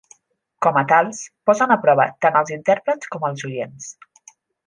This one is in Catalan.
Com a tals, posen a prova tant els intèrprets com els oients.